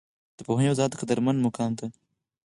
د پوهنې وزارت قدرمن مقام ته